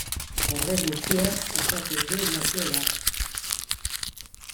Horrek guztiak osatzen du nazio bat.